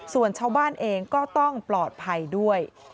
ส่วนชาวบ้านเองก็ต้องปลอดภัยด้วย